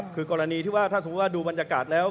คือกรณีที่ว่าถ้าสมมุติว่าดูบรรยากาศแล้ว